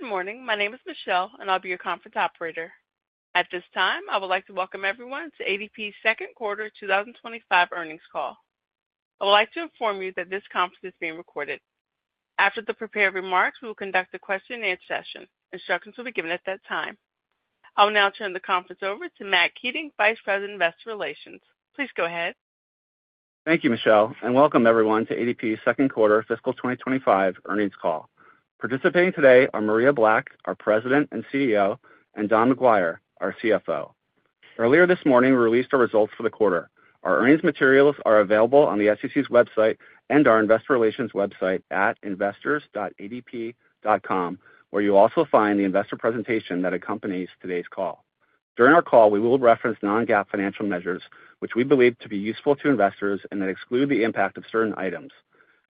Good morning. My name is Michelle, and I'll be your conference operator. At this time, I would like to welcome everyone to ADP's second quarter 2025 earnings call. I would like to inform you that this conference is being recorded. After the prepared remarks, we will conduct a question-and-answer session. Instructions will be given at that time. I will now turn the conference over to Matt Keating, Vice President, Investor Relations. Please go ahead. Thank you, Michelle, and welcome everyone to ADP's second quarter fiscal 2025 earnings call. Participating today are Maria Black, our President and CEO, and Don McGuire, our CFO. Earlier this morning, we released our results for the quarter. Our earnings materials are available on the SEC's website and our investor relations website at investors.adp.com, where you'll also find the investor presentation that accompanies today's call. During our call, we will reference non-GAAP financial measures, which we believe to be useful to investors and that exclude the impact of certain items.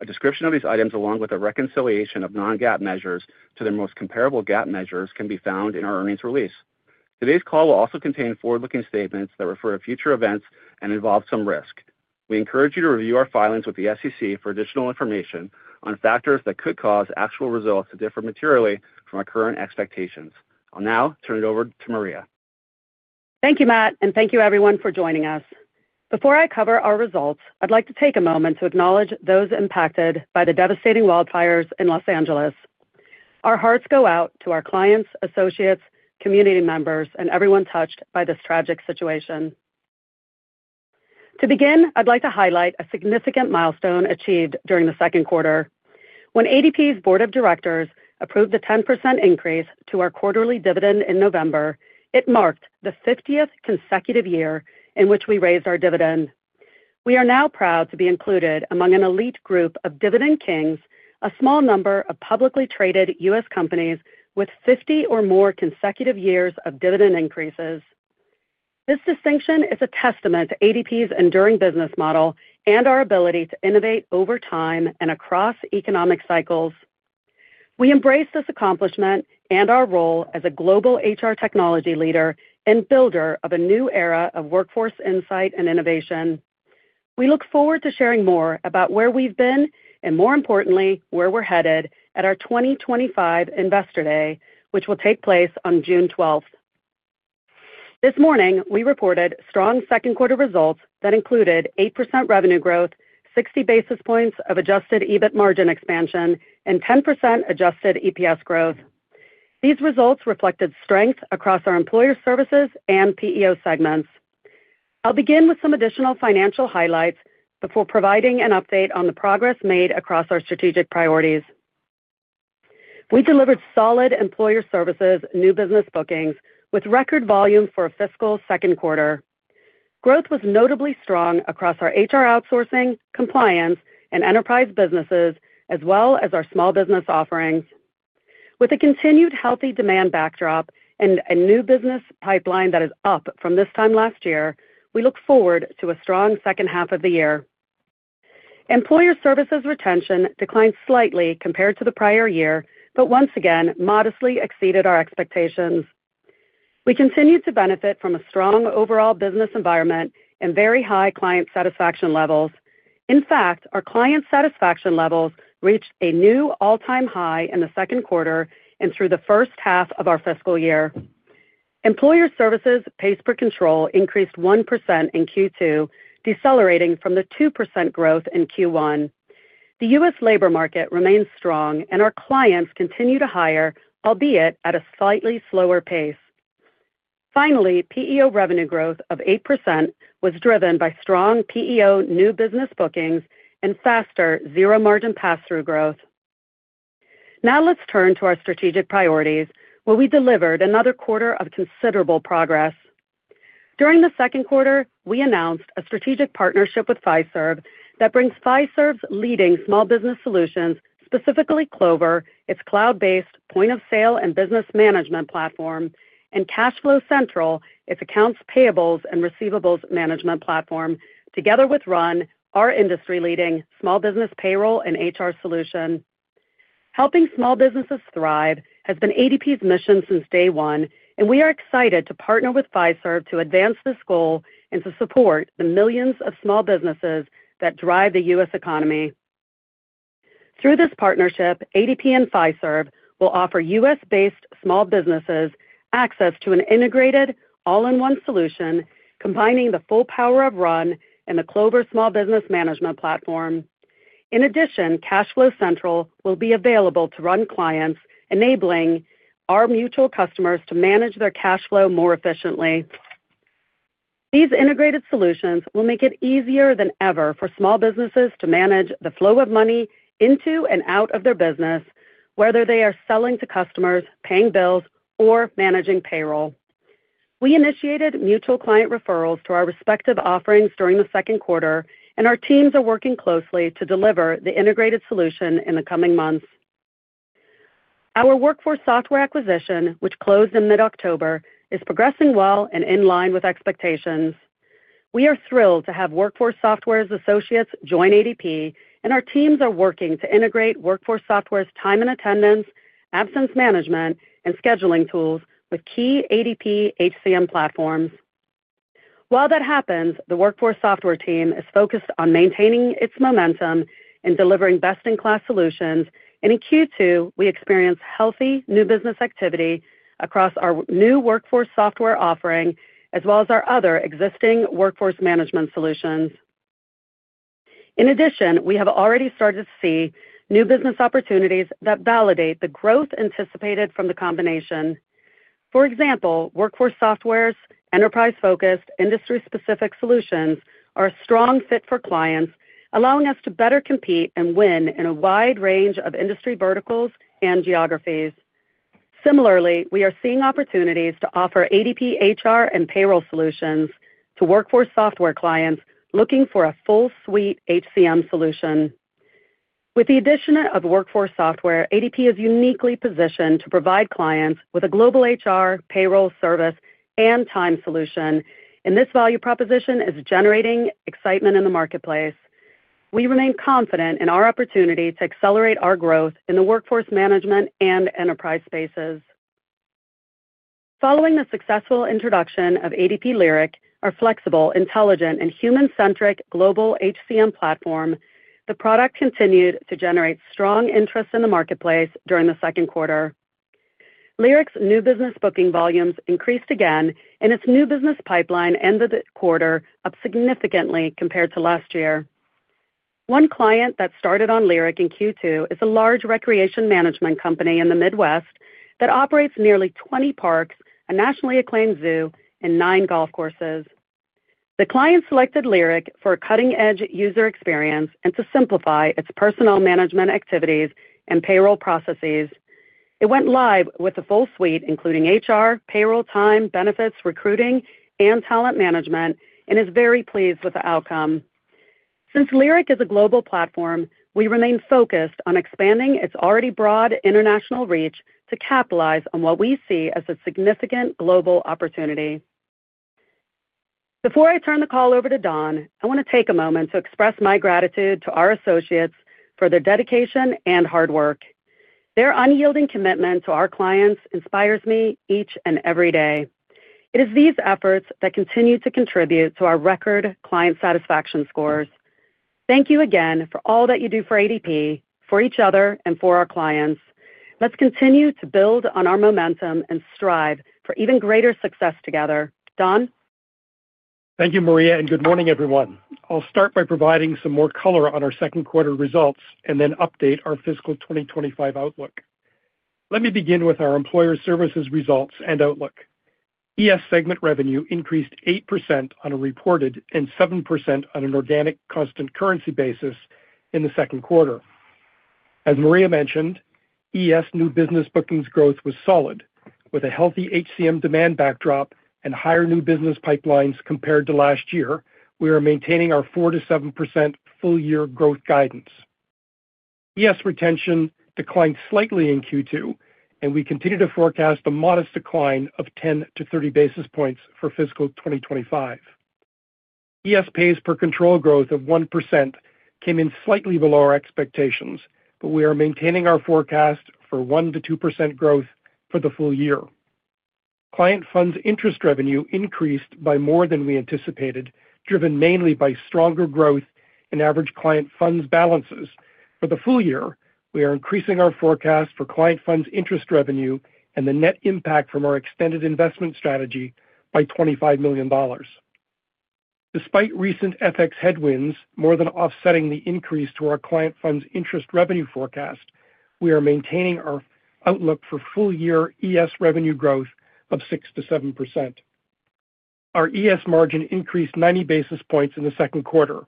A description of these items, along with a reconciliation of non-GAAP measures to their most comparable GAAP measures, can be found in our earnings release. Today's call will also contain forward-looking statements that refer to future events and involve some risk. We encourage you to review our filings with the SEC for additional information on factors that could cause actual results to differ materially from our current expectations. I'll now turn it over to Maria. Thank you, Matt, and thank you, everyone, for joining us. Before I cover our results, I'd like to take a moment to acknowledge those impacted by the devastating wildfires in Los Angeles. Our hearts go out to our clients, associates, community members, and everyone touched by this tragic situation. To begin, I'd like to highlight a significant milestone achieved during the second quarter. When ADP's board of directors approved the 10% increase to our quarterly dividend in November, it marked the 50th consecutive year in which we raised our dividend. We are now proud to be included among an elite group of Dividend Kings, a small number of publicly traded U.S. companies with 50 or more consecutive years of dividend increases. This distinction is a testament to ADP's enduring business model and our ability to innovate over time and across economic cycles. We embrace this accomplishment and our role as a global HR technology leader and builder of a new era of workforce insight and innovation. We look forward to sharing more about where we've been and, more importantly, where we're headed at our 2025 Investor Day, which will take place on June 12th. This morning, we reported strong second quarter results that included 8% revenue growth, 60 basis points of Adjusted EBIT margin expansion, and 10% adjusted EPS growth. These results reflected strength across our Employer Services and PEO segments. I'll begin with some additional financial highlights before providing an update on the progress made across our strategic priorities. We delivered solid Employer Services new business bookings with record volume for a fiscal second quarter. Growth was notably strong across our HR outsourcing, compliance, and enterprise businesses, as well as our small business offerings. With a continued healthy demand backdrop and a new business pipeline that is up from this time last year, we look forward to a strong second half of the year. Employer Services retention declined slightly compared to the prior year, but once again modestly exceeded our expectations. We continue to benefit from a strong overall business environment and very high client satisfaction levels. In fact, our client satisfaction levels reached a new all-time high in the second quarter and through the first half of our fiscal year. Employer Services Pays Per Control increased 1% in Q2, decelerating from the 2% growth in Q1. The U.S. labor market remains strong, and our clients continue to hire, albeit at a slightly slower pace. Finally, PEO revenue growth of 8% was driven by strong PEO new business bookings and faster zero-margin pass-through growth. Now let's turn to our strategic priorities, where we delivered another quarter of considerable progress. During the second quarter, we announced a strategic partnership with Fiserv that brings Fiserv's leading small business solutions, specifically Clover, its cloud-based point of sale and business management platform, and Cash Flow Central, its accounts payables and receivables management platform, together with RUN, our industry-leading small business payroll and HR solution. Helping small businesses thrive has been ADP's mission since day one, and we are excited to partner with Fiserv to advance this goal and to support the millions of small businesses that drive the U.S. economy. Through this partnership, ADP and Fiserv will offer U.S.-based small businesses access to an integrated all-in-one solution combining the full power of RUN and the Clover small business management platform. In addition, Cash Flow Central will be available to RUN clients, enabling our mutual customers to manage their cash flow more efficiently. These integrated solutions will make it easier than ever for small businesses to manage the flow of money into and out of their business, whether they are selling to customers, paying bills, or managing payroll. We initiated mutual client referrals to our respective offerings during the second quarter, and our teams are working closely to deliver the integrated solution in the coming months. Our WorkForce Software acquisition, which closed in mid-October, is progressing well and in line with expectations. We are thrilled to have WorkForce Software's associates join ADP, and our teams are working to integrate WorkForce Software's time and attendance, absence management, and scheduling tools with key ADP HCM platforms. While that happens, the WorkForce Software team is focused on maintaining its momentum and delivering best-in-class solutions, and in Q2, we experience healthy new business activity across our new WorkForce Software offering, as well as our other existing workforce management solutions. In addition, we have already started to see new business opportunities that validate the growth anticipated from the combination. For example, WorkForce Software's enterprise-focused, industry-specific solutions are a strong fit for clients, allowing us to better compete and win in a wide range of industry verticals and geographies. Similarly, we are seeing opportunities to offer ADP HR and payroll solutions to WorkForce Software clients looking for a full-suite HCM solution. With the addition of WorkForce Software, ADP is uniquely positioned to provide clients with a global HR, payroll, service, and time solution, and this value proposition is generating excitement in the marketplace. We remain confident in our opportunity to accelerate our growth in the workforce management and enterprise spaces. Following the successful introduction of ADP Lyric, our flexible, intelligent, and human-centric global HCM platform, the product continued to generate strong interest in the marketplace during the second quarter. Lyric's new business booking volumes increased again, and its new business pipeline ended the quarter up significantly compared to last year. One client that started on Lyric in Q2 is a large recreation management company in the Midwest that operates nearly 20 parks, a nationally acclaimed zoo, and nine golf courses. The client selected Lyric for a cutting-edge user experience and to simplify its personnel management activities and payroll processes. It went live with a full suite including HR, payroll, time, benefits, recruiting, and talent management, and is very pleased with the outcome. Since Lyric is a global platform, we remain focused on expanding its already broad international reach to capitalize on what we see as a significant global opportunity. Before I turn the call over to Don, I want to take a moment to express my gratitude to our associates for their dedication and hard work. Their unyielding commitment to our clients inspires me each and every day. It is these efforts that continue to contribute to our record client satisfaction scores. Thank you again for all that you do for ADP, for each other, and for our clients. Let's continue to build on our momentum and strive for even greater success together. Don? Thank you, Maria, and good morning, everyone. I'll start by providing some more color on our second quarter results and then update our fiscal 2025 outlook. Let me begin with our Employer Services results and outlook. ES segment revenue increased 8% on a reported and 7% on an organic constant currency basis in the second quarter. As Maria mentioned, ES new business bookings growth was solid. With a healthy HCM demand backdrop and higher new business pipelines compared to last year, we are maintaining our 4%-7% full-year growth guidance. ES retention declined slightly in Q2, and we continue to forecast a modest decline of 10-30 basis points for fiscal 2025. ES Pays Per Control growth of 1% came in slightly below our expectations, but we are maintaining our forecast for 1%-2% growth for the full year. Client funds interest revenue increased by more than we anticipated, driven mainly by stronger growth in average client funds balances. For the full year, we are increasing our forecast for client funds interest revenue and the net impact from our extended investment strategy by $25 million. Despite recent FX headwinds more than offsetting the increase to our client funds interest revenue forecast, we are maintaining our outlook for full-year ES revenue growth of 6%-7%. Our ES margin increased 90 basis points in the second quarter,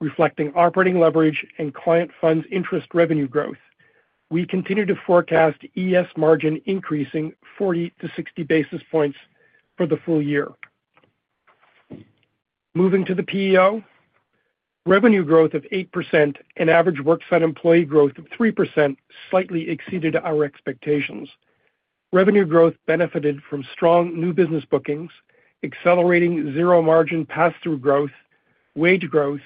reflecting operating leverage and client funds interest revenue growth. We continue to forecast ES margin increasing 40-60 basis points for the full year. Moving to the PEO, revenue growth of 8% and average worksite employee growth of 3% slightly exceeded our expectations. Revenue growth benefited from strong new business bookings, accelerating zero-margin pass-through growth, wage growth,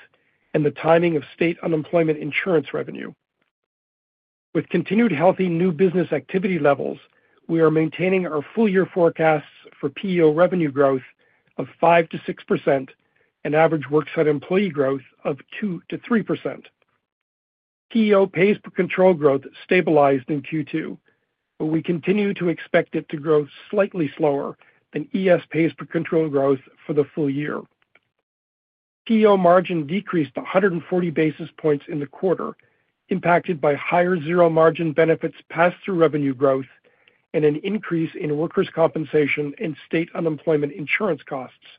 and the timing of state unemployment insurance revenue. With continued healthy new business activity levels, we are maintaining our full-year forecasts for PEO revenue growth of 5%-6% and average worksite employee growth of 2%-3%. PEO pays per control growth stabilized in Q2, but we continue to expect it to grow slightly slower than ES pays per control growth for the full year. PEO margin decreased 140 basis points in the quarter, impacted by higher zero-margin benefits pass-through revenue growth and an increase in workers' compensation and state unemployment insurance costs.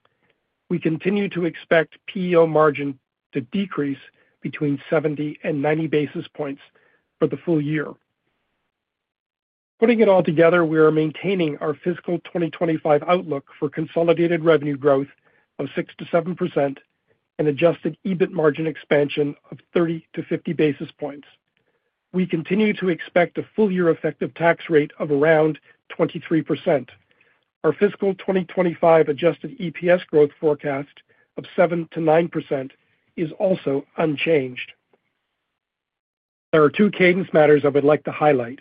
We continue to expect PEO margin to decrease between 70 and 90 basis points for the full year. Putting it all together, we are maintaining our fiscal 2025 outlook for consolidated revenue growth of 6%-7% and adjusted EBIT margin expansion of 30-50 basis points. We continue to expect a full-year effective tax rate of around 23%. Our fiscal 2025 adjusted EPS growth forecast of 7%-9% is also unchanged. There are two cadence matters I would like to highlight.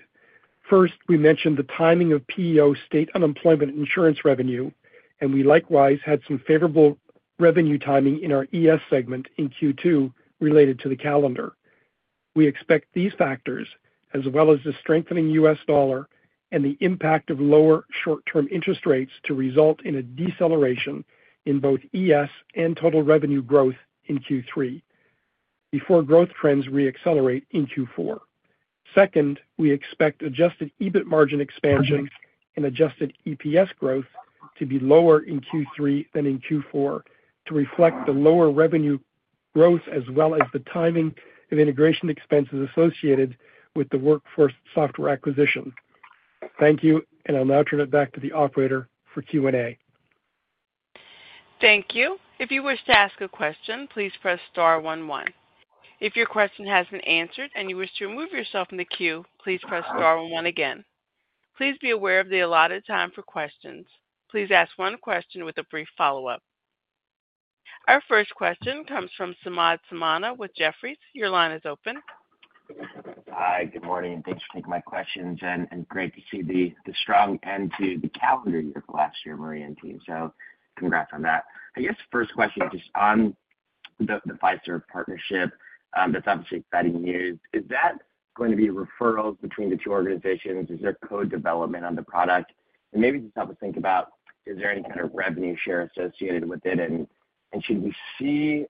First, we mentioned the timing of PEO state unemployment insurance revenue, and we likewise had some favorable revenue timing in our ES segment in Q2 related to the calendar. We expect these factors, as well as the strengthening U.S. dollar and the impact of lower short-term interest rates, to result in a deceleration in both ES and total revenue growth in Q3 before growth trends re-accelerate in Q4. Second, we expect adjusted EBIT margin expansion and adjusted EPS growth to be lower in Q3 than in Q4 to reflect the lower revenue growth, as well as the timing of integration expenses associated with the WorkForce Software acquisition. Thank you, and I'll now turn it back to the operator for Q&A. Thank you. If you wish to ask a question, please press star 11. If your question hasn't been answered and you wish to remove yourself from the queue, please press star 11 again. Please be aware of the allotted time for questions. Please ask one question with a brief follow-up. Our first question comes from Samad Samana with Jefferies. Your line is open. Hi, good morning, and thanks for taking my questions and great to see the strong end to the calendar year for last year, Maria and team, so congrats on that. I guess first question, just on the Fiserv partnership, that's obviously exciting news. Is that going to be referrals between the two organizations? Is there co-development on the product, and maybe just help us think about, is there any kind of revenue share associated with it, and should we see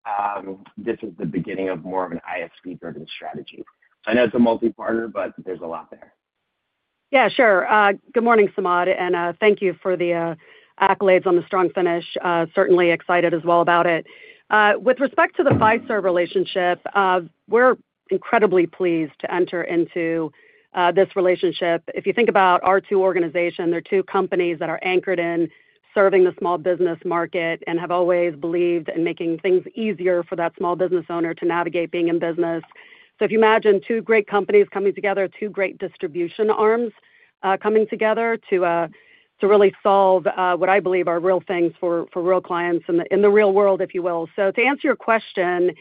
this as the beginning of more of an ISV-driven strategy? I know it's a multi-partner, but there's a lot there. Yeah, sure. Good morning, Samad, and thank you for the accolades on the strong finish. Certainly excited as well about it. With respect to the Fiserv relationship, we're incredibly pleased to enter into this relationship. If you think about our two organizations, they're two companies that are anchored in serving the small business market and have always believed in making things easier for that small business owner to navigate being in business. So if you imagine two great companies coming together, two great distribution arms coming together to really solve what I believe are real things for real clients in the real world, if you will. So to answer your question,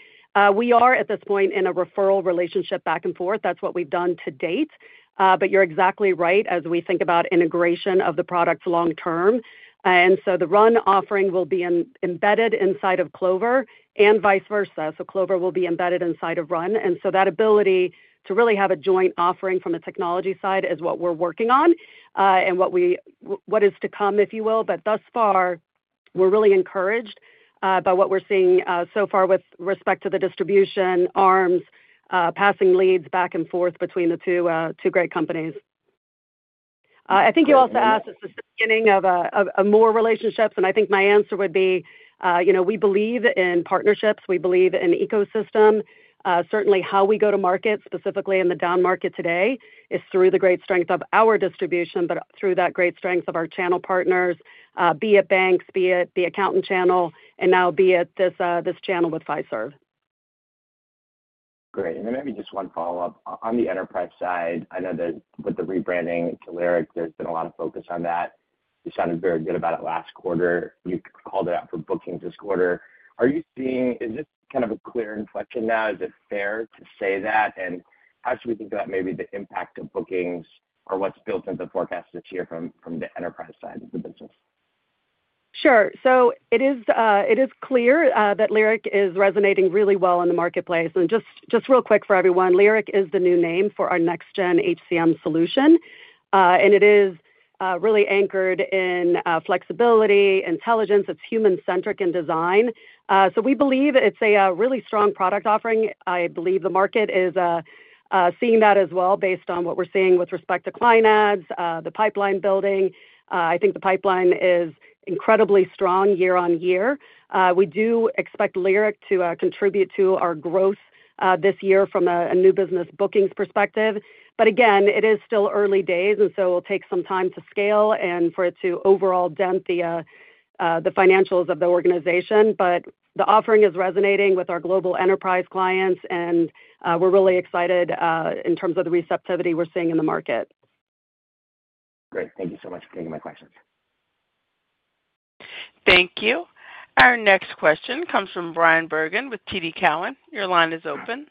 we are at this point in a referral relationship back and forth. That's what we've done to date. But you're exactly right as we think about integration of the products long-term. The RUN offering will be embedded inside of Clover and vice versa. So Clover will be embedded inside of RUN. That ability to really have a joint offering from the technology side is what we're working on and what is to come, if you will. But thus far, we're really encouraged by what we're seeing so far with respect to the distribution arms passing leads back and forth between the two great companies. I think you also asked at the beginning of more relationships, and I think my answer would be, we believe in partnerships. We believe in ecosystem. Certainly, how we go to market, specifically in the down market today, is through the great strength of our distribution, but through that great strength of our channel partners, be it banks, be it the accountant channel, and now be it this channel with Fiserv. Great. And then maybe just one follow-up. On the enterprise side, I know that with the rebranding to Lyric, there's been a lot of focus on that. You sounded very good about it last quarter. You called it out for bookings this quarter. Are you seeing is this kind of a clear inflection now? Is it fair to say that? And how should we think about maybe the impact of bookings or what's built into the forecast this year from the enterprise side of the business? Sure, so it is clear that Lyric is resonating really well in the marketplace, and just real quick for everyone, Lyric is the new name for our next-gen HCM solution, and it is really anchored in flexibility, intelligence. It's human-centric in design, so we believe it's a really strong product offering. I believe the market is seeing that as well based on what we're seeing with respect to client adds, the pipeline building. I think the pipeline is incredibly strong year on year. We do expect Lyric to contribute to our growth this year from a new business bookings perspective, but again, it is still early days, and so it will take some time to scale and for it to overall dent the financials of the organization. But the offering is resonating with our global enterprise clients, and we're really excited in terms of the receptivity we're seeing in the market. Great. Thank you so much for taking my questions. Thank you. Our next question comes from Brian Bergen with TD Cowen. Your line is open.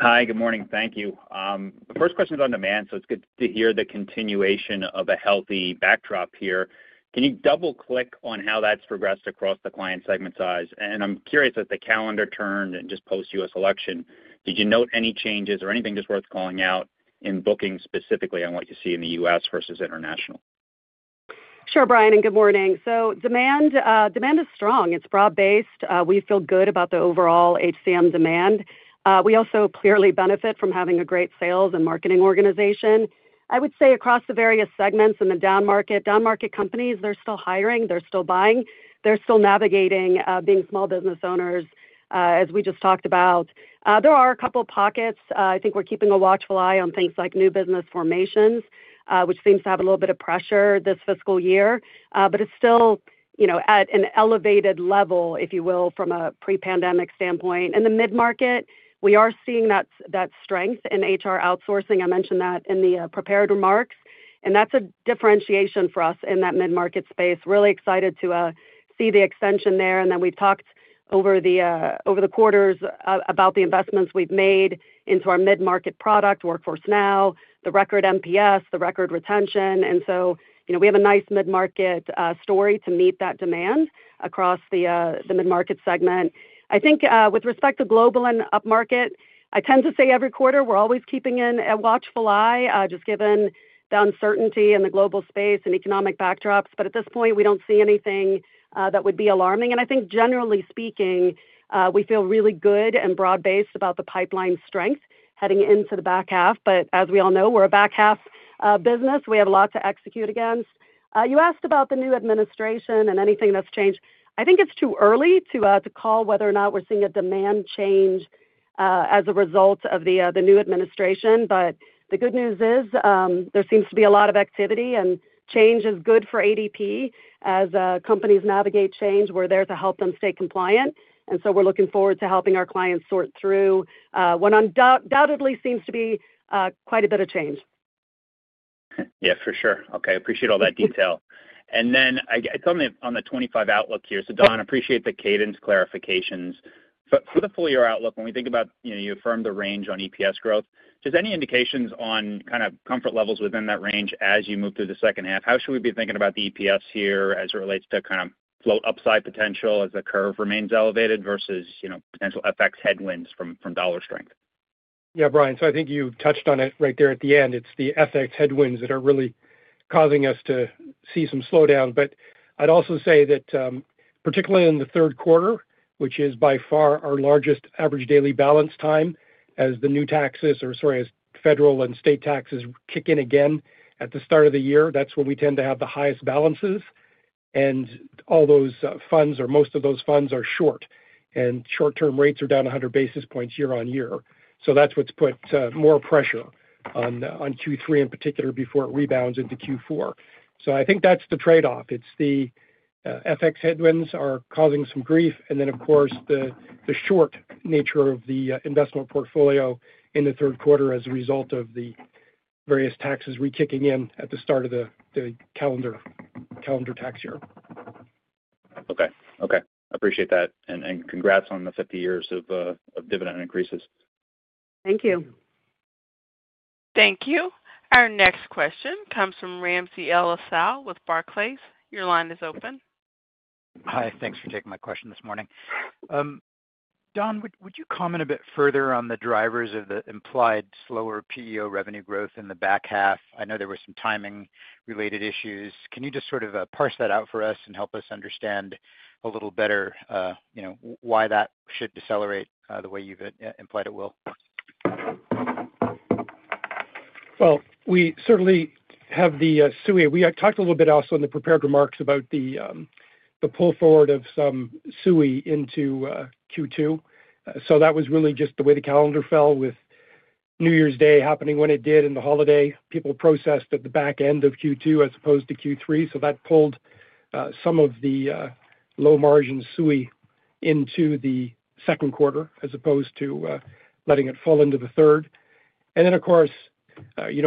Hi, good morning. Thank you. The first question is on demand, so it's good to hear the continuation of a healthy backdrop here. Can you double-click on how that's progressed across the client segment size? And I'm curious, as the calendar turned and just post-U.S. election, did you note any changes or anything just worth calling out in bookings specifically on what you see in the U.S. versus international? Sure, Brian, and good morning. So demand is strong. It's broad-based. We feel good about the overall HCM demand. We also clearly benefit from having a great sales and marketing organization. I would say across the various segments in the down market, down market companies, they're still hiring, they're still buying, they're still navigating being small business owners, as we just talked about. There are a couple of pockets. I think we're keeping a watchful eye on things like new business formations, which seems to have a little bit of pressure this fiscal year, but it's still at an elevated level, if you will, from a pre-pandemic standpoint. In the mid-market, we are seeing that strength in HR outsourcing. I mentioned that in the prepared remarks, and that's a differentiation for us in that mid-market space. Really excited to see the extension there. And then we've talked over the quarters about the investments we've made into our mid-market product, Workforce Now, the record NPS, the record retention. And so we have a nice mid-market story to meet that demand across the mid-market segment. I think with respect to global and up market, I tend to say every quarter we're always keeping a watchful eye just given the uncertainty in the global space and economic backdrops. But at this point, we don't see anything that would be alarming. And I think generally speaking, we feel really good and broad-based about the pipeline strength heading into the back half. But as we all know, we're a back half business. We have a lot to execute against. You asked about the new administration and anything that's changed. I think it's too early to call whether or not we're seeing a demand change as a result of the new administration. But the good news is there seems to be a lot of activity, and change is good for ADP as companies navigate change. We're there to help them stay compliant. And so we're looking forward to helping our clients sort through what undoubtedly seems to be quite a bit of change. Yeah, for sure. Okay. Appreciate all that detail. And then I thought on the 2025 outlook here, so Don, I appreciate the cadence clarifications. For the full-year outlook, when we think about you affirmed the range on EPS growth, just any indications on kind of comfort levels within that range as you move through the second half? How should we be thinking about the EPS here as it relates to kind of float upside potential as the curve remains elevated versus potential FX headwinds from dollar strength? Yeah, Brian, so I think you touched on it right there at the end. It's the FX headwinds that are really causing us to see some slowdown. But I'd also say that particularly in the third quarter, which is by far our largest average daily balance time as the new taxes or sorry, as federal and state taxes kick in again at the start of the year, that's when we tend to have the highest balances. And all those funds or most of those funds are short, and short-term rates are down 100 basis points year on year. So that's what's put more pressure on Q3 in particular before it rebounds into Q4. So I think that's the trade-off. It's the FX headwinds are causing some grief, and then, of course, the short nature of the investment portfolio in the third quarter as a result of the various taxes re-kicking in at the start of the calendar tax year. Okay. Appreciate that. And congrats on the 50 years of dividend increases. Thank you. Thank you. Our next question comes from Ramsey El-Assal with Barclays. Your line is open. Hi. Thanks for taking my question this morning. Don, would you comment a bit further on the drivers of the implied slower PEO revenue growth in the back half? I know there were some timing-related issues. Can you just sort of parse that out for us and help us understand a little better why that should decelerate the way you've implied it will? We certainly have the SUI. We talked a little bit also in the prepared remarks about the pull forward of some SUI into Q2. So that was really just the way the calendar fell with New Year's Day happening when it did and the holiday. People processed at the back end of Q2 as opposed to Q3. So that pulled some of the low-margin SUI into the second quarter as opposed to letting it fall into the third. And then, of course,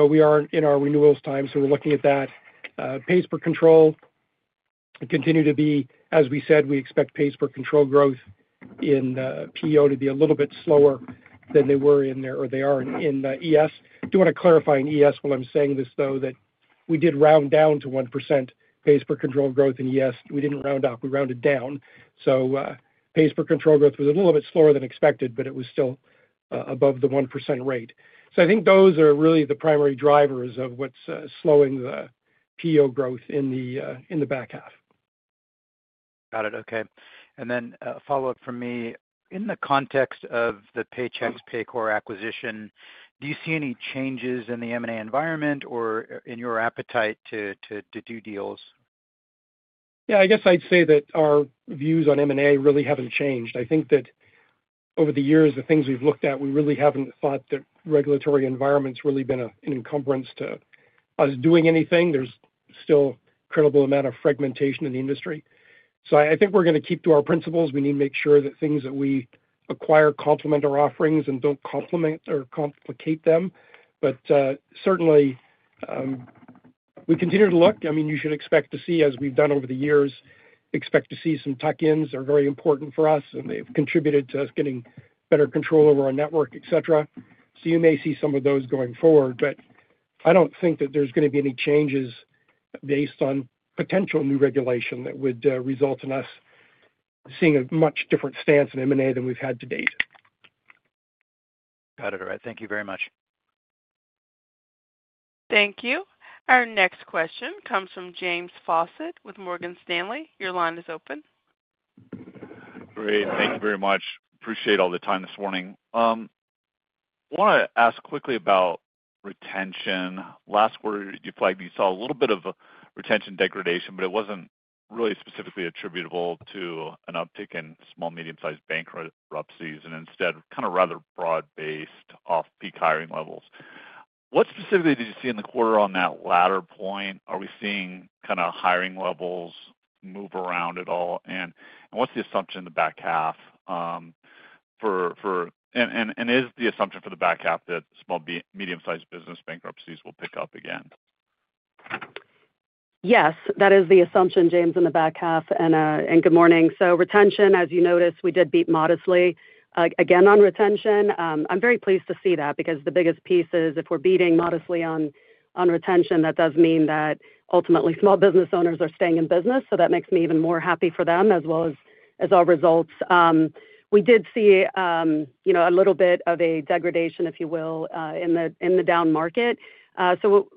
we are in our renewals time, so we're looking at that. Pays per control continued to be, as we said, we expect pays per control growth in PEO to be a little bit slower than they were in there or they are in ES. Do you want to clarify in ES while I'm saying this, though, that we did round down to 1% pays per control growth in ES? We didn't round up. We rounded down. So pays per control growth was a little bit slower than expected, but it was still above the 1% rate. So I think those are really the primary drivers of what's slowing the PEO growth in the back half. Got it. Okay. And then a follow-up from me. In the context of the Paychex Paycor acquisition, do you see any changes in the M&A environment or in your appetite to do deals? Yeah, I guess I'd say that our views on M&A really haven't changed. I think that over the years, the things we've looked at, we really haven't thought that regulatory environment's really been an encumbrance to us doing anything. There's still a credible amount of fragmentation in the industry. So I think we're going to keep to our principles. We need to make sure that things that we acquire complement our offerings and don't complement or complicate them. But certainly, we continue to look. I mean, you should expect to see, as we've done over the years, expect to see some tuck-ins are very important for us, and they've contributed to us getting better control over our network, etc. So you may see some of those going forward, but I don't think that there's going to be any changes based on potential new regulation that would result in us seeing a much different stance in M&A than we've had to date. Got it. All right. Thank you very much. Thank you. Our next question comes from James Faucette with Morgan Stanley. Your line is open. Great. Thank you very much. Appreciate all the time this morning. I want to ask quickly about retention. Last quarter, you saw a little bit of retention degradation, but it wasn't really specifically attributable to an uptick in small, medium-sized bankruptcies and instead kind of rather broad-based off-peak hiring levels. What specifically did you see in the quarter on that latter point? Are we seeing kind of hiring levels move around at all? And what's the assumption in the back half? And is the assumption for the back half that small, medium-sized business bankruptcies will pick up again? Yes, that is the assumption, James, in the back half. And good morning. So retention, as you noticed, we did beat modestly. Again, on retention, I'm very pleased to see that because the biggest piece is if we're beating modestly on retention, that does mean that ultimately small business owners are staying in business. So that makes me even more happy for them as well as our results. We did see a little bit of a degradation, if you will, in the down market. So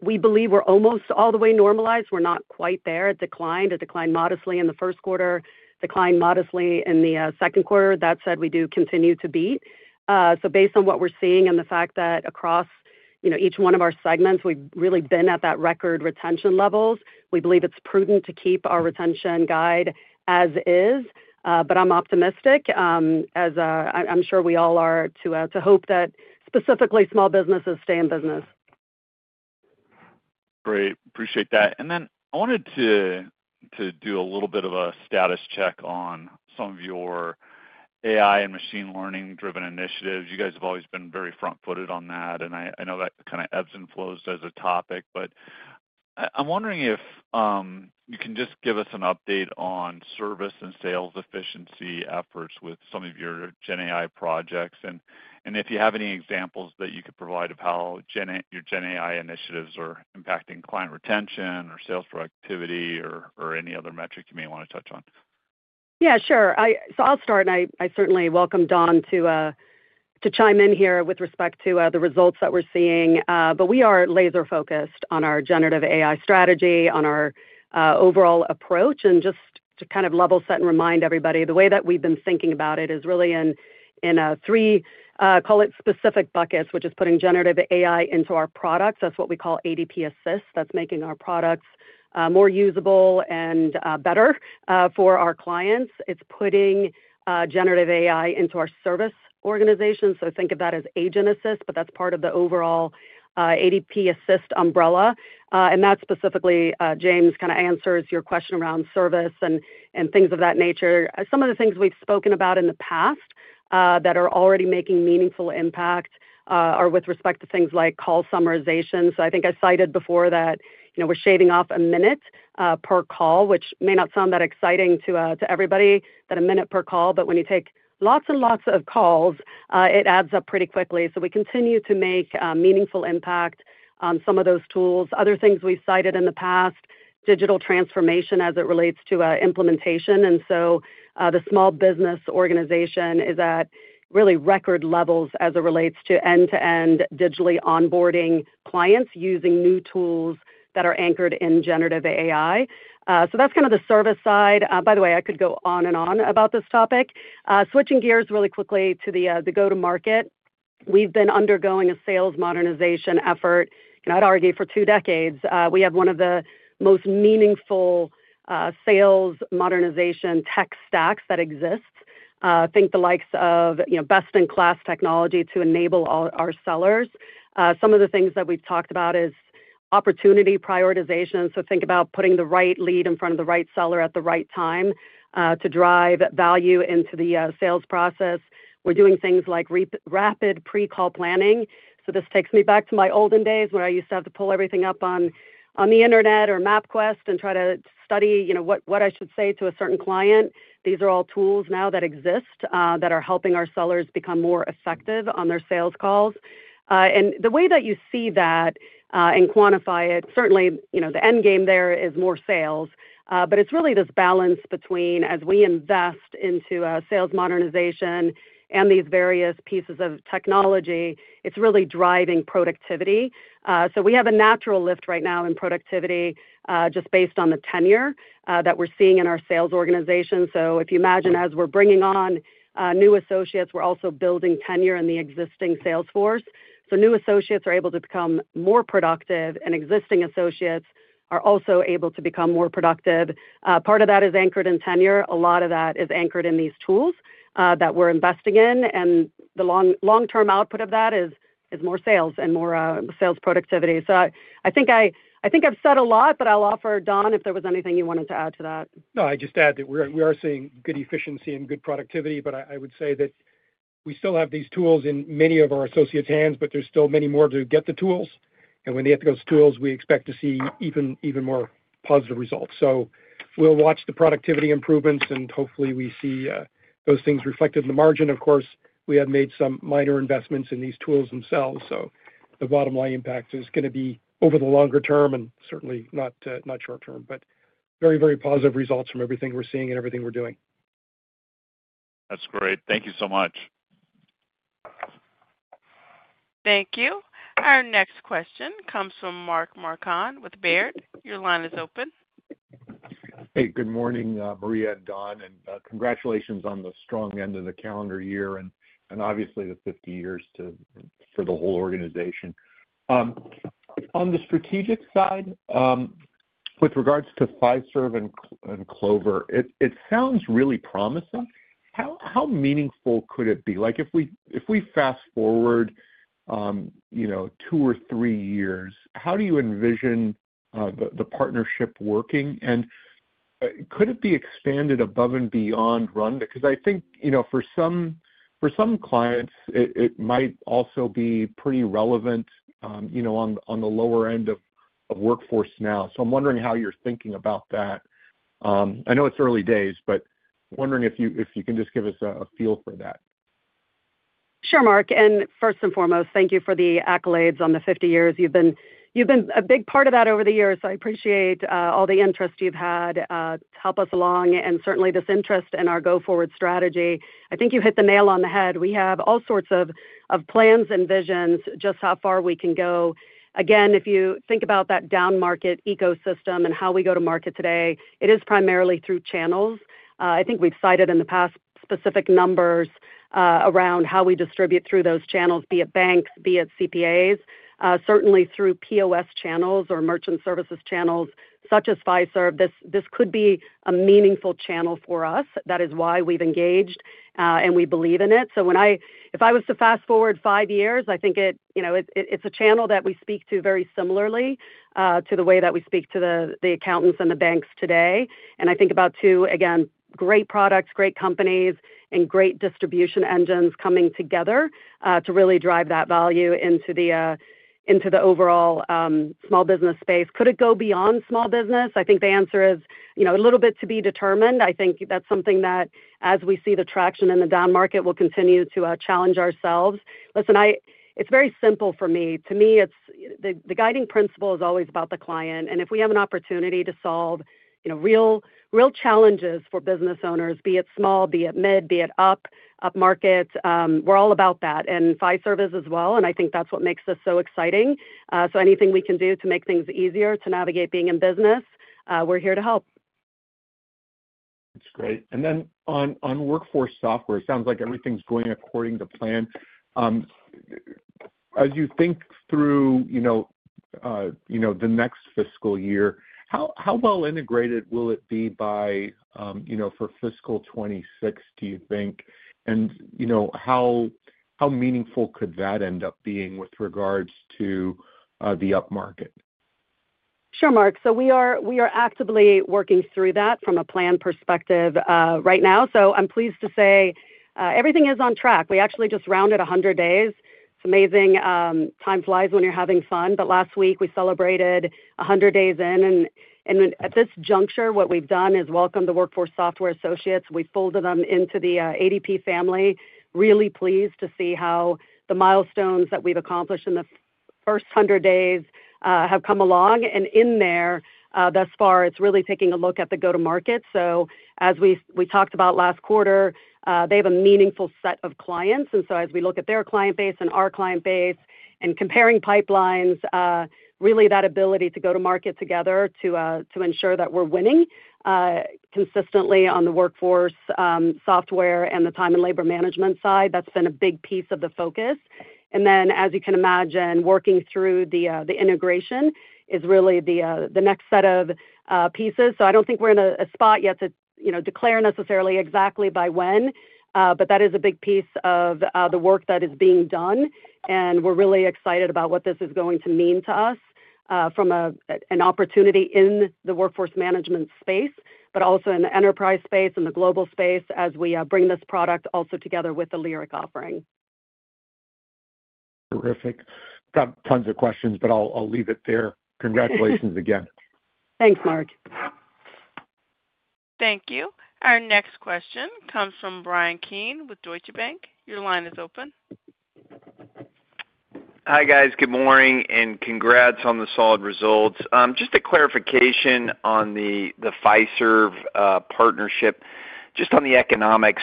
we believe we're almost all the way normalized. We're not quite there. It declined. It declined modestly in the first quarter, declined modestly in the second quarter. That said, we do continue to beat. Based on what we're seeing and the fact that across each one of our segments, we've really been at that record retention levels, we believe it's prudent to keep our retention guide as is. But I'm optimistic, as I'm sure we all are, to hope that specifically small businesses stay in business. Great. Appreciate that. And then I wanted to do a little bit of a status check on some of your AI and machine learning-driven initiatives. You guys have always been very front-footed on that. And I know that kind of ebbs and flows as a topic, but I'm wondering if you can just give us an update on service and sales efficiency efforts with some of your GenAI projects. And if you have any examples that you could provide of how your GenAI initiatives are impacting client retention or sales productivity or any other metric you may want to touch on. Yeah, sure. So I'll start, and I certainly welcome Don to chime in here with respect to the results that we're seeing. But we are laser-focused on our generative AI strategy, on our overall approach. And just to kind of level set and remind everybody, the way that we've been thinking about it is really in three, call it specific buckets, which is putting generative AI into our products. That's what we call ADP Assist. That's making our products more usable and better for our clients. It's putting generative AI into our service organizations. So think of that as agent assist, but that's part of the overall ADP Assist umbrella. And that specifically, James, kind of answers your question around service and things of that nature. Some of the things we've spoken about in the past that are already making meaningful impact are with respect to things like call summarization. I think I cited before that we're shaving off a minute per call, which may not sound that exciting to everybody, that a minute per call, but when you take lots and lots of calls, it adds up pretty quickly. We continue to make meaningful impact on some of those tools. Other things we've cited in the past, digital transformation as it relates to implementation. The small business organization is at really record levels as it relates to end-to-end digitally onboarding clients using new tools that are anchored in generative AI. That's kind of the service side. By the way, I could go on and on about this topic. Switching gears really quickly to the go-to-market, we've been undergoing a sales modernization effort, and I'd argue for two decades. We have one of the most meaningful sales modernization tech stacks that exists. Think the likes of best-in-class technology to enable our sellers. Some of the things that we've talked about is opportunity prioritization. So think about putting the right lead in front of the right seller at the right time to drive value into the sales process. We're doing things like rapid pre-call planning. So this takes me back to my olden days when I used to have to pull everything up on the internet or MapQuest and try to study what I should say to a certain client. These are all tools now that exist that are helping our sellers become more effective on their sales calls. And the way that you see that and quantify it, certainly the end game there is more sales, but it's really this balance between as we invest into sales modernization and these various pieces of technology. It's really driving productivity. So we have a natural lift right now in productivity just based on the tenure that we're seeing in our sales organization. So if you imagine as we're bringing on new associates, we're also building tenure in the existing sales force. So new associates are able to become more productive and existing associates are also able to become more productive. Part of that is anchored in tenure. A lot of that is anchored in these tools that we're investing in. And the long-term output of that is more sales and more sales productivity. So I think I've said a lot, but I'll offer Don, if there was anything you wanted to add to that. No, I just add that we are seeing good efficiency and good productivity, but I would say that we still have these tools in many of our associates' hands, but there's still many more to get the tools, and when they get those tools, we expect to see even more positive results, so we'll watch the productivity improvements, and hopefully we see those things reflected in the margin. Of course, we have made some minor investments in these tools themselves, so the bottom-line impact is going to be over the longer term and certainly not short-term, but very, very positive results from everything we're seeing and everything we're doing. That's great. Thank you so much. Thank you. Our next question comes from Mark Marcon with Baird. Your line is open. Hey, good morning, Maria and Don. Congratulations on the strong end of the calendar year and obviously the 50 years for the whole organization. On the strategic side, with regards to Fiserv and Clover, it sounds really promising. How meaningful could it be? If we fast forward two or three years, how do you envision the partnership working? Could it be expanded above and beyond RUN? Because I think for some clients, it might also be pretty relevant on the lower end of workforce now. I'm wondering how you're thinking about that. I know it's early days, but wondering if you can just give us a feel for that. Sure, Mark. And first and foremost, thank you for the accolades on the 50 years. You've been a big part of that over the years. I appreciate all the interest you've had to help us along and certainly this interest in our go-forward strategy. I think you hit the nail on the head. We have all sorts of plans and visions just how far we can go. Again, if you think about that down market ecosystem and how we go to market today, it is primarily through channels. I think we've cited in the past specific numbers around how we distribute through those channels, be it banks, be it CPAs, certainly through POS channels or merchant services channels such as Fiserv. This could be a meaningful channel for us. That is why we've engaged, and we believe in it. So if I was to fast forward five years, I think it's a channel that we speak to very similarly to the way that we speak to the accountants and the banks today. And I think about two, again, great products, great companies, and great distribution engines coming together to really drive that value into the overall small business space. Could it go beyond small business? I think the answer is a little bit to be determined. I think that's something that, as we see the traction in the down market, we'll continue to challenge ourselves. Listen, it's very simple for me. To me, the guiding principle is always about the client. And if we have an opportunity to solve real challenges for business owners, be it small, be it mid, be it up market, we're all about that. And Fiserv is as well, and I think that's what makes this so exciting. So anything we can do to make things easier to navigate being in business, we're here to help. That's great, and then on WorkForce Software, it sounds like everything's going according to plan. As you think through the next fiscal year, how well integrated will it be by for fiscal 2026, do you think, and how meaningful could that end up being with regards to the up market? Sure, Mark, so we are actively working through that from a plan perspective right now, so I'm pleased to say everything is on track. We actually just rounded 100 days. It's amazing. Time flies when you're having fun, but last week, we celebrated 100 days in, and at this juncture, what we've done is welcome the WorkForce Software associates. We folded them into the ADP family. Really pleased to see how the milestones that we've accomplished in the first 100 days have come along, and in there, thus far, it's really taking a look at the go-to-market, so as we talked about last quarter, they have a meaningful set of clients. And so as we look at their client base and our client base and comparing pipelines, really that ability to go to market together to ensure that we're winning consistently on the WorkForce Software and the time and labor management side, that's been a big piece of the focus. And then, as you can imagine, working through the integration is really the next set of pieces. So I don't think we're in a spot yet to declare necessarily exactly by when, but that is a big piece of the work that is being done. And we're really excited about what this is going to mean to us from an opportunity in the workforce management space, but also in the enterprise space and the global space as we bring this product also together with the Lyric offering. Terrific. Got tons of questions, but I'll leave it there. Congratulations again. Thanks, Mark. Thank you. Our next question comes from Bryan Keane with Deutsche Bank. Your line is open. Hi guys. Good morning and congrats on the solid results. Just a clarification on the Fiserv partnership, just on the economics.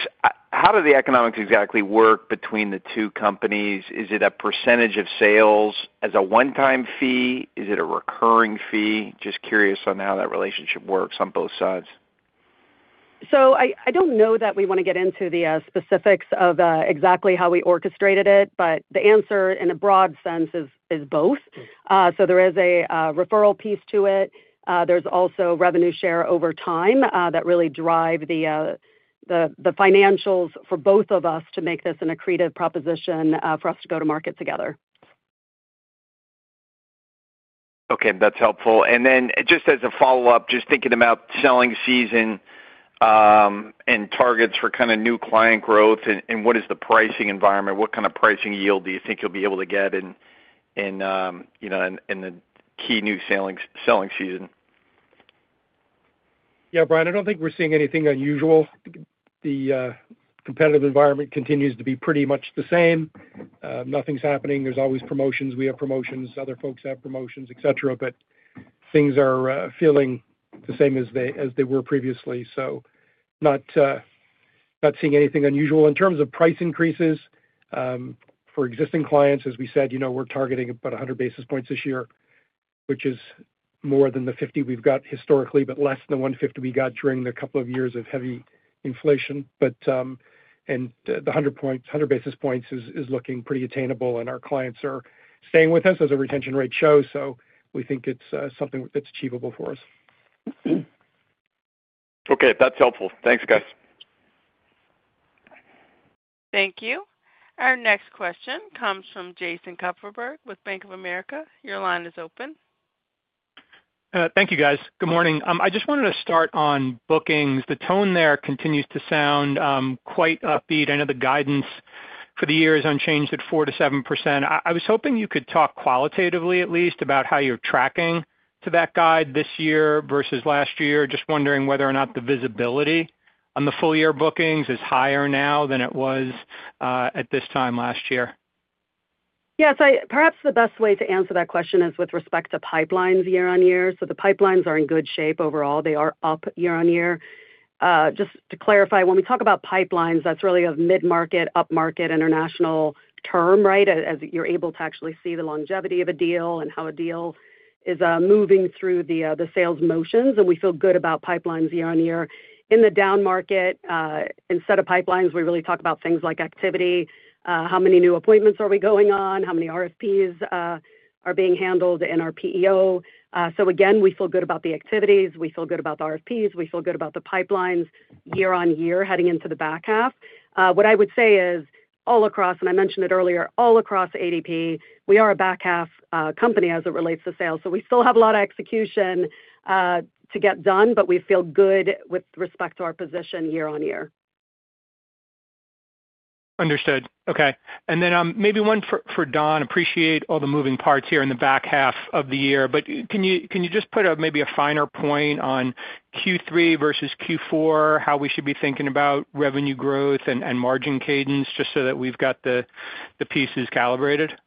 How do the economics exactly work between the two companies? Is it a percentage of sales as a one-time fee? Is it a recurring fee? Just curious on how that relationship works on both sides. I don't know that we want to get into the specifics of exactly how we orchestrated it, but the answer in a broad sense is both. There is a referral piece to it. There's also revenue share over time that really drives the financials for both of us to make this an accretive proposition for us to go to market together. Okay. That's helpful. And then just as a follow-up, just thinking about selling season and targets for kind of new client growth and what is the pricing environment? What kind of pricing yield do you think you'll be able to get in the key new selling season? Yeah, Brian, I don't think we're seeing anything unusual. The competitive environment continues to be pretty much the same. Nothing's happening. There's always promotions. We have promotions. Other folks have promotions, etc., but things are feeling the same as they were previously, so not seeing anything unusual. In terms of price increases for existing clients, as we said, we're targeting about 100 basis points this year, which is more than the 50 we've got historically, but less than the 150 we got during the couple of years of heavy inflation, and the 100 basis points is looking pretty attainable, and our clients are staying with us as our retention rate shows, so we think it's something that's achievable for us. Okay. That's helpful. Thanks, guys. Thank you. Our next question comes from Jason Kupferberg with Bank of America. Your line is open. Thank you, guys. Good morning. I just wanted to start on bookings. The tone there continues to sound quite upbeat. I know the guidance for the year is unchanged at 4%-7%. I was hoping you could talk qualitatively at least about how you're tracking to that guide this year versus last year. Just wondering whether or not the visibility on the full-year bookings is higher now than it was at this time last year. Yeah. So perhaps the best way to answer that question is with respect to pipelines year on year. So the pipelines are in good shape overall. They are up year on year. Just to clarify, when we talk about pipelines, that's really a mid-market, up-market international term, right, as you're able to actually see the longevity of a deal and how a deal is moving through the sales motions. And we feel good about pipelines year on year. In the down market, instead of pipelines, we really talk about things like activity. How many new appointments are we going on? How many RFPs are being handled in our PEO? So again, we feel good about the activities. We feel good about the RFPs. We feel good about the pipelines year on year heading into the back half. What I would say is all across, and I mentioned it earlier, all across ADP, we are a back half company as it relates to sales. So we still have a lot of execution to get done, but we feel good with respect to our position year on year. Understood. Okay. And then maybe one for Don. Appreciate all the moving parts here in the back half of the year. But can you just put maybe a finer point on Q3 versus Q4, how we should be thinking about revenue growth and margin cadence just so that we've got the pieces calibrated?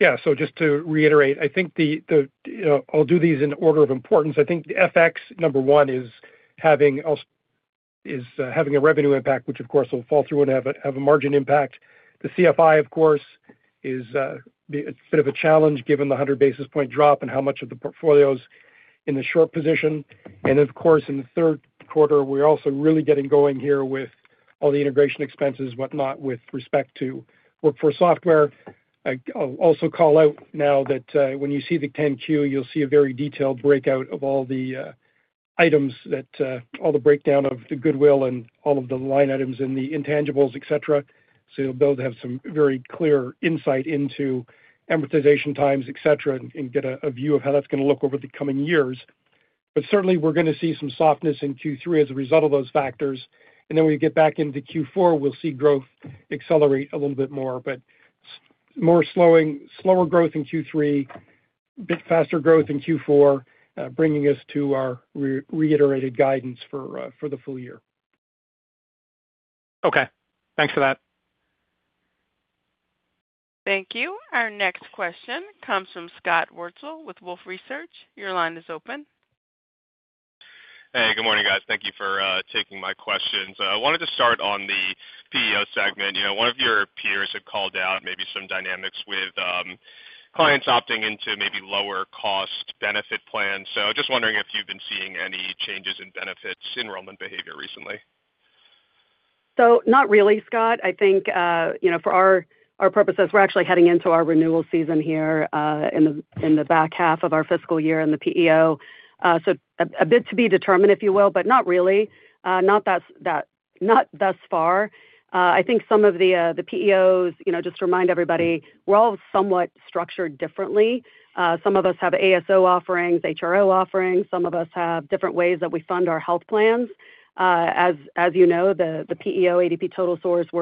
Yeah. So just to reiterate, I think I'll do these in order of importance. I think FX number one is having a revenue impact, which of course will fall through and have a margin impact. The CFI, of course, is a bit of a challenge given the 100 basis point drop and how much of the portfolios in the short position. And of course, in the third quarter, we're also really getting going here with all the integration expenses, whatnot, with respect to WorkForce Software. I'll also call out now that when you see the 10-Q, you'll see a very detailed breakout of all the items, all the breakdown of the goodwill and all of the line items in the intangibles, etc. So you'll be able to have some very clear insight into amortization times, etc., and get a view of how that's going to look over the coming years. But certainly, we're going to see some softness in Q3 as a result of those factors. And then when we get back into Q4, we'll see growth accelerate a little bit more, but more slower growth in Q3, a bit faster growth in Q4, bringing us to our reiterated guidance for the full year. Okay. Thanks for that. Thank you. Our next question comes from Scott Wurtzel with Wolfe Research. Your line is open. Hey, good morning, guys. Thank you for taking my questions. I wanted to start on the PEO segment. One of your peers had called out maybe some dynamics with clients opting into maybe lower cost benefit plans. So just wondering if you've been seeing any changes in benefits enrollment behavior recently? So not really, Scott. I think for our purposes, we're actually heading into our renewal season here in the back half of our fiscal year in the PEO. So a bit to be determined, if you will, but not really. Not thus far. I think some of the PEOs, just to remind everybody, we're all somewhat structured differently. Some of us have ASO offerings, HRO offerings. Some of us have different ways that we fund our health plans. As you know, the PEO, ADP TotalSource,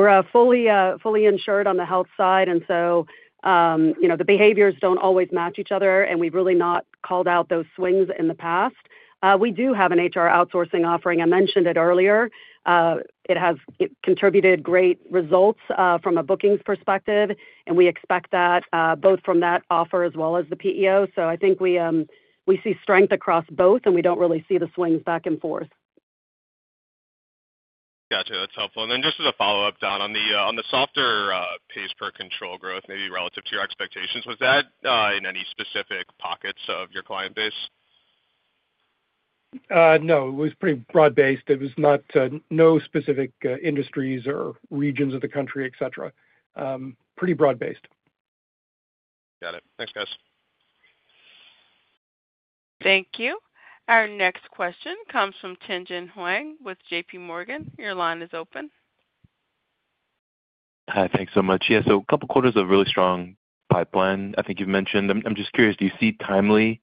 we're fully insured on the health side. And so the behaviors don't always match each other, and we've really not called out those swings in the past. We do have an HR outsourcing offering. I mentioned it earlier. It has contributed great results from a bookings perspective, and we expect that both from that offer as well as the PEO. So I think we see strength across both, and we don't really see the swings back and forth. Gotcha. That's helpful. And then just as a follow-up, Don, on the softer pays per control growth, maybe relative to your expectations, was that in any specific pockets of your client base? No, it was pretty broad-based. It was no specific industries or regions of the country, etc. Pretty broad-based. Got it. Thanks, guys. Thank you. Our next question comes from Tien-tsin Huang with JPMorgan. Your line is open. Hi, thanks so much. Yeah. So a couple quarters of really strong pipeline. I think you've mentioned. I'm just curious, do you see timely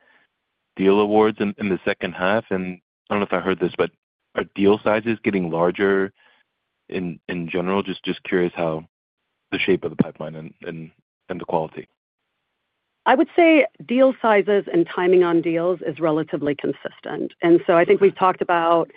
deal awards in the second half? And I don't know if I heard this, but are deal sizes getting larger in general? Just curious how the shape of the pipeline and the quality. I would say deal sizes and timing on deals is relatively consistent. And so I think we've talked about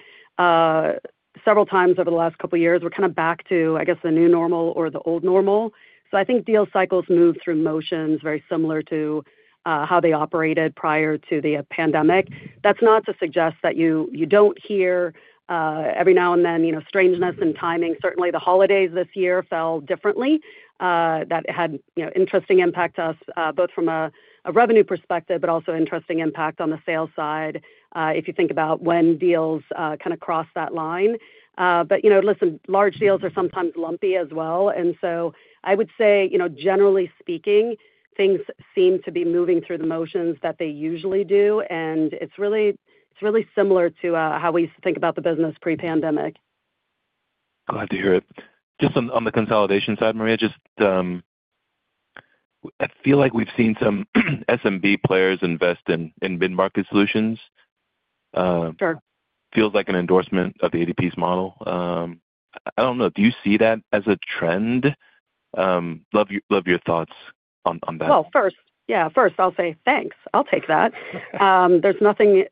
several times over the last couple of years, we're kind of back to, I guess, the new normal or the old normal. So I think deal cycles move through motions very similar to how they operated prior to the pandemic. That's not to suggest that you don't hear every now and then strangeness in timing. Certainly, the holidays this year fell differently. That had an interesting impact to us, both from a revenue perspective, but also an interesting impact on the sales side if you think about when deals kind of cross that line. But listen, large deals are sometimes lumpy as well. And so I would say, generally speaking, things seem to be moving through the motions that they usually do. It's really similar to how we used to think about the business pre-pandemic. Glad to hear it. Just on the consolidation side, Maria, just I feel like we've seen some SMB players invest in mid-market solutions. Sure. Feels like an endorsement of ADP's model. I don't know. Do you see that as a trend? Love your thoughts on that. Well, first, yeah, first, I'll say thanks. I'll take that. There's nothing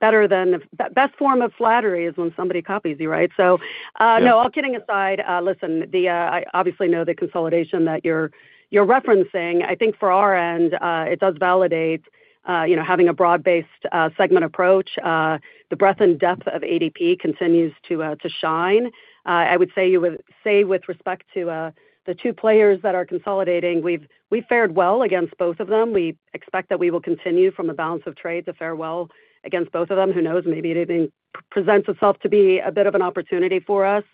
better than the best form of flattery is when somebody copies you, right? So no, all kidding aside, listen, I obviously know the consolidation that you're referencing. I think for our end, it does validate having a broad-based segment approach. The breadth and depth of ADP continues to shine. I would say with respect to the two players that are consolidating, we've fared well against both of them. We expect that we will continue from the balance of trade to fare well against both of them. Who knows? Maybe it even presents itself to be a bit of an opportunity for us.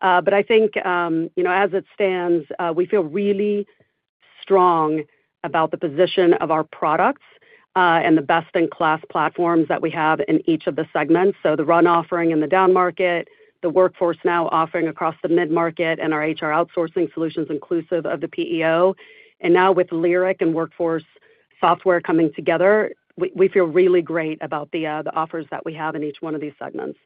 But I think as it stands, we feel really strong about the position of our products and the best-in-class platforms that we have in each of the segments. So the RUN offering in the down market, the Workforce Now offering across the mid-market, and our HR outsourcing solutions inclusive of the PEO. And now with Lyric and WorkForce Software coming together, we feel really great about the offers that we have in each one of these segments.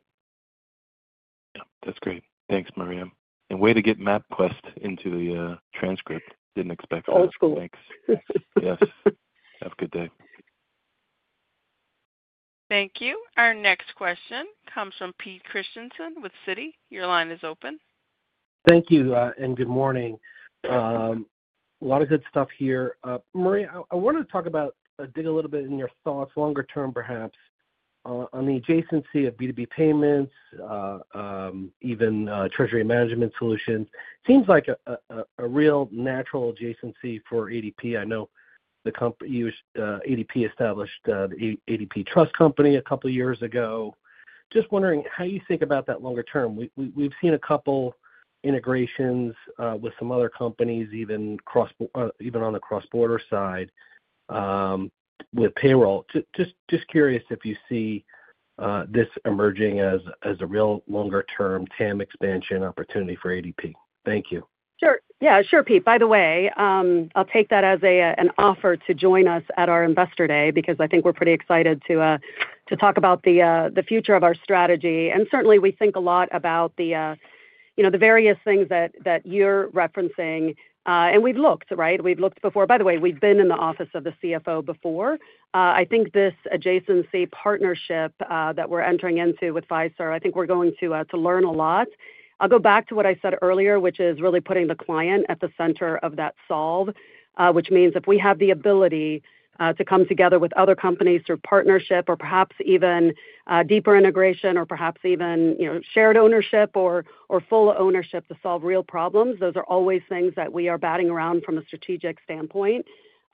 Yeah. That's great. Thanks, Maria, and way to get MapQuest into the transcript. Didn't expect that. Old school. Thanks. Yes. Have a good day. Thank you. Our next question comes from Pete Christiansen with Citi. Your line is open. Thank you and good morning. A lot of good stuff here. Maria, I wanted to talk about, dig a little bit in your thoughts, longer term perhaps, on the adjacency of B2B payments, even treasury management solutions. Seems like a real natural adjacency for ADP. I know ADP established the ADP Trust Company a couple of years ago. Just wondering how you think about that longer term. We've seen a couple integrations with some other companies, even on the cross-border side with payroll. Just curious if you see this emerging as a real longer-term TAM expansion opportunity for ADP. Thank you. Sure. Yeah. Sure, Pete. By the way, I'll take that as an offer to join us at our investor day because I think we're pretty excited to talk about the future of our strategy, and certainly, we think a lot about the various things that you're referencing, and we've looked, right? We've looked before. By the way, we've been in the office of the CFO before. I think this adjacency partnership that we're entering into with Fiserv, I think we're going to learn a lot. I'll go back to what I said earlier, which is really putting the client at the center of that solve, which means if we have the ability to come together with other companies through partnership or perhaps even deeper integration or perhaps even shared ownership or full ownership to solve real problems, those are always things that we are batting around from a strategic standpoint.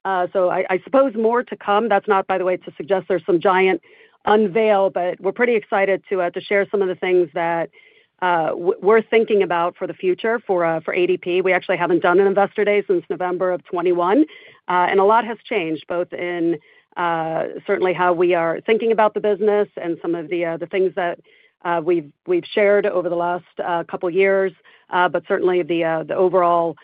So I suppose more to come. That's not, by the way, to suggest there's some giant unveil, but we're pretty excited to share some of the things that we're thinking about for the future for ADP. We actually haven't done an investor day since November of 2021. And a lot has changed, both in certainly how we are thinking about the business and some of the things that we've shared over the last couple of years, but certainly the overall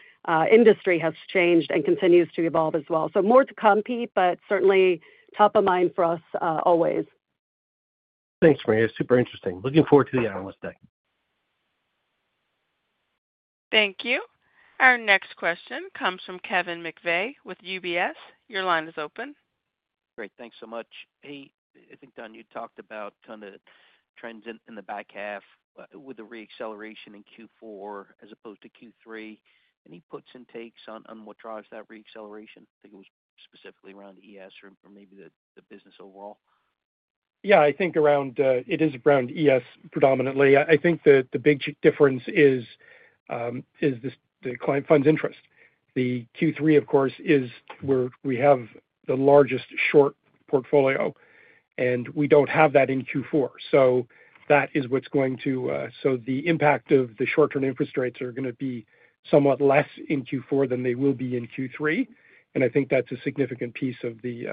industry has changed and continues to evolve as well. So more to come, Pete, but certainly top of mind for us always. Thanks, Maria. Super interesting. Looking forward to the analyst day. Thank you. Our next question comes from Kevin McVeigh with UBS. Your line is open. Great. Thanks so much. Hey, I think, Don, you talked about kind of trends in the back half with the reacceleration in Q4 as opposed to Q3. Any puts and takes on what drives that reacceleration? I think it was specifically around ES or maybe the business overall. Yeah. I think it is around ES predominantly. I think the big difference is the client funds interest. The Q3, of course, is where we have the largest short portfolio, and we don't have that in Q4. So that is what's going to the impact of the short-term interest rates are going to be somewhat less in Q4 than they will be in Q3. And I think that's a significant piece of the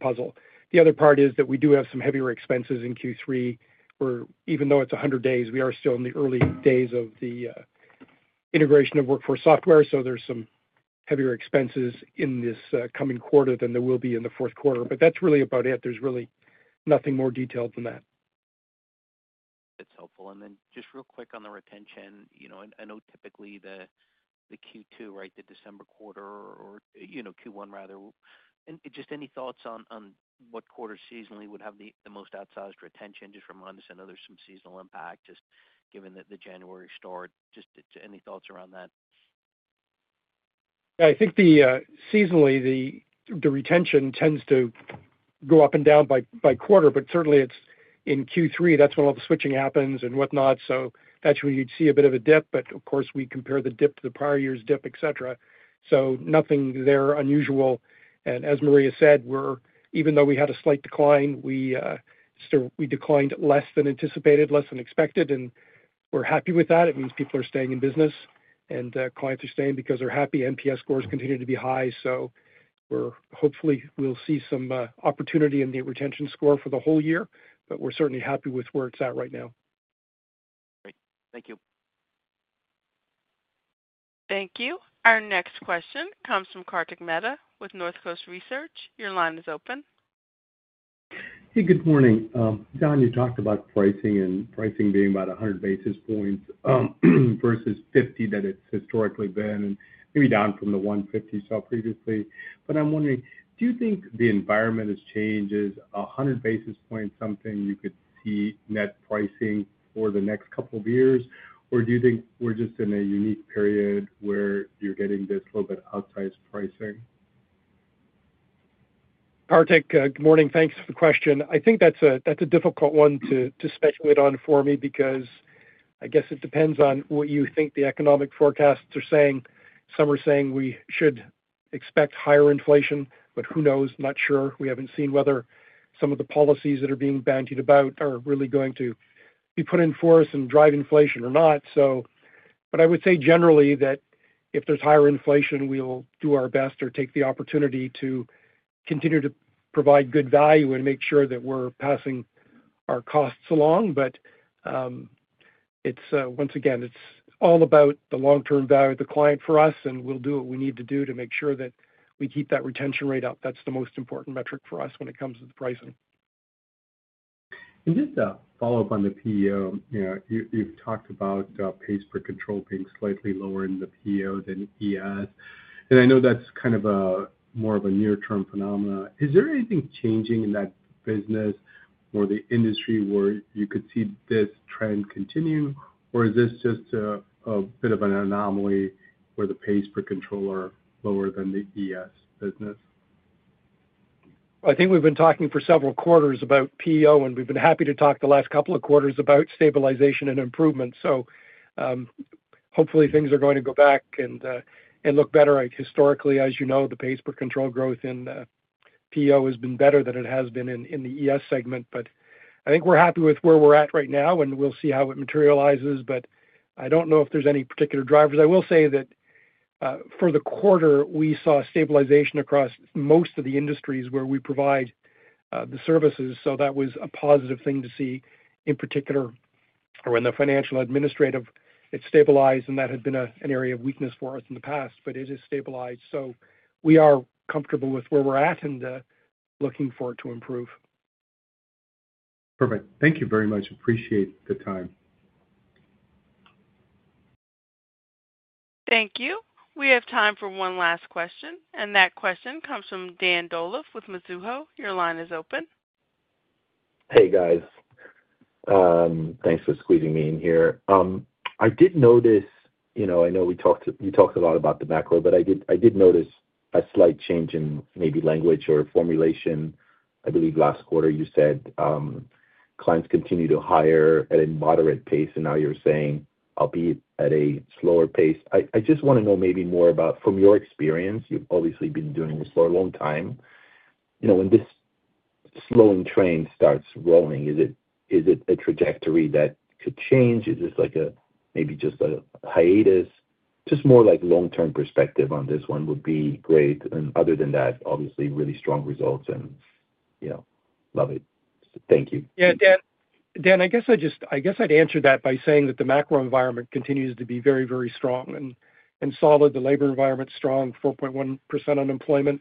puzzle. The other part is that we do have some heavier expenses in Q3, where even though it's 100 days, we are still in the early days of the integration of WorkForce Software. So there's some heavier expenses in this coming quarter than there will be in the fourth quarter. But that's really about it. There's really nothing more detailed than that. That's helpful. And then just real quick on the retention. I know typically the Q2, right, the December quarter or Q1, rather, just any thoughts on what quarter seasonally would have the most outsized retention? Just remind us, I know there's some seasonal impact just given the January start. Just any thoughts around that? Yeah. I think seasonally, the retention tends to go up and down by quarter, but certainly in Q3, that's when all the switching happens and whatnot. So that's when you'd see a bit of a dip. But of course, we compare the dip to the prior year's dip, etc. So nothing there unusual. And as Maria said, even though we had a slight decline, we declined less than anticipated, less than expected, and we're happy with that. It means people are staying in business, and clients are staying because they're happy. NPS scores continue to be high. So hopefully, we'll see some opportunity in the retention score for the whole year, but we're certainly happy with where it's at right now. Great. Thank you. Thank you. Our next question comes from Kartik Mehta with North Coast Research. Your line is open. Hey, good morning. Don, you talked about pricing and pricing being about 100 basis points versus 50 that it's historically been, and maybe down from the 150 you saw previously. But I'm wondering, do you think the environment has changed? Is 100 basis points something you could see net pricing for the next couple of years, or do you think we're just in a unique period where you're getting this little bit outsized pricing? Kartik, good morning. Thanks for the question. I think that's a difficult one to speculate on for me because I guess it depends on what you think the economic forecasts are saying. Some are saying we should expect higher inflation, but who knows? Not sure. We haven't seen whether some of the policies that are being bandied about are really going to be put in force and drive inflation or not. But I would say generally that if there's higher inflation, we'll do our best or take the opportunity to continue to provide good value and make sure that we're passing our costs along. But once again, it's all about the long-term value of the client for us, and we'll do what we need to do to make sure that we keep that retention rate up. That's the most important metric for us when it comes to the pricing. Just to follow up on the PEO, you've talked about pays per control being slightly lower in the PEO than ES. I know that's kind of more of a near-term phenomenon. Is there anything changing in that business or the industry where you could see this trend continuing, or is this just a bit of an anomaly where the pays per control are lower than the ES business? I think we've been talking for several quarters about PEO, and we've been happy to talk the last couple of quarters about stabilization and improvement, so hopefully, things are going to go back and look better. Historically, as you know, the Pays Per Control growth in PEO has been better than it has been in the ES segment, but I think we're happy with where we're at right now, and we'll see how it materializes, but I don't know if there's any particular drivers. I will say that for the quarter, we saw stabilization across most of the industries where we provide the services, so that was a positive thing to see in particular when the financial administrative had stabilized, and that had been an area of weakness for us in the past, but it has stabilized, so we are comfortable with where we're at and looking forward to improve. Perfect. Thank you very much. Appreciate the time. Thank you. We have time for one last question. And that question comes from Dan Dolev with Mizuho. Your line is open. Hey, guys. Thanks for squeezing me in here. I did notice, I know we talked a lot about the macro, but I did notice a slight change in maybe language or formulation. I believe last quarter you said clients continue to hire at a moderate pace, and now you're saying, "I'll be at a slower pace." I just want to know maybe more about, from your experience, you've obviously been doing this for a long time. When this slowing train starts rolling, is it a trajectory that could change? Is this maybe just a hiatus? Just more long-term perspective on this one would be great. And other than that, obviously, really strong results and love it. Thank you. Yeah. Dan, I guess I'd answer that by saying that the macro environment continues to be very, very strong and solid. The labor environment is strong, 4.1% unemployment.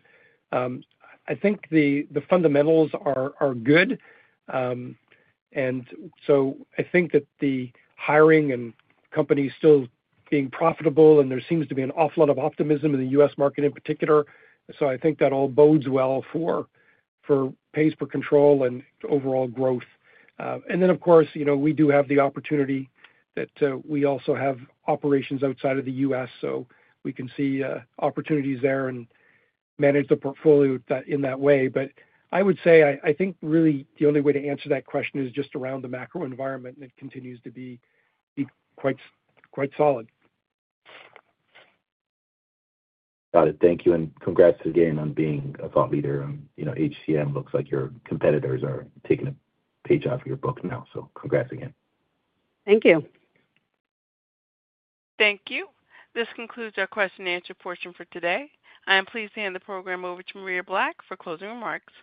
I think the fundamentals are good. And so I think that the hiring and companies still being profitable, and there seems to be an awful lot of optimism in the U.S. market in particular. So I think that all bodes well for pays per control and overall growth. And then, of course, we do have the opportunity that we also have operations outside of the U.S., so we can see opportunities there and manage the portfolio in that way. But I would say I think really the only way to answer that question is just around the macro environment, and it continues to be quite solid. Got it. Thank you. And congrats again on being a thought leader. HCM looks like your competitors are taking a page out of your book now. So congrats again. Thank you. Thank you. This concludes our question-and-answer portion for today. I am pleased to hand the program over to Maria Black for closing remarks.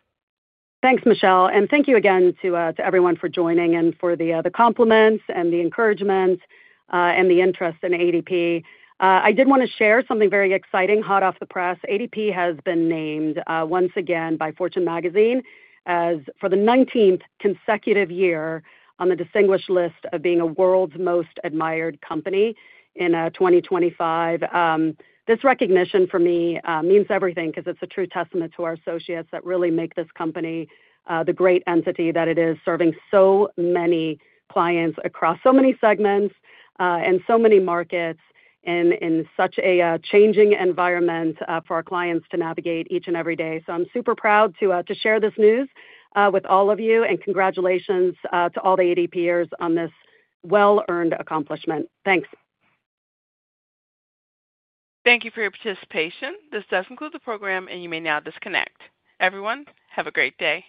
Thanks, Michelle, and thank you again to everyone for joining and for the compliments and the encouragement and the interest in ADP. I did want to share something very exciting hot off the press. ADP has been named once again by Fortune Magazine for the 19th consecutive year on the distinguished list of being a world's most admired company in 2025. This recognition for me means everything because it's a true testament to our associates that really make this company the great entity that it is, serving so many clients across so many segments and so many markets in such a changing environment for our clients to navigate each and every day. So I'm super proud to share this news with all of you, and congratulations to all the ADPers on this well-earned accomplishment. Thanks. Thank you for your participation. This does conclude the program, and you may now disconnect. Everyone, have a great day.